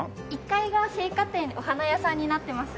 １階が生花店お花屋さんになってます。